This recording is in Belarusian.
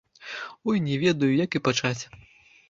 Ой, не ведаю, як і пачаць.